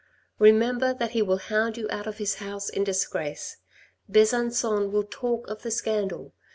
Remember that he will hound you out of his house in disgrace. Besancon will talk of the scandal.